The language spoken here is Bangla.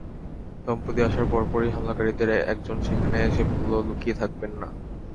দম্পতি আসার পরপরই হামলাকারীদের একজন সেখানে এসে বলল, লুকিয়ে থাকবেন না।